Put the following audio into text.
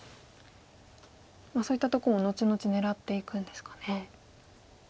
そういったとこも後々狙っていくんですかね。